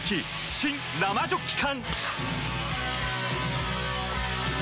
新・生ジョッキ缶！